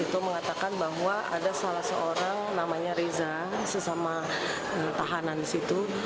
itu mengatakan bahwa ada salah seorang namanya riza sesama tahanan di situ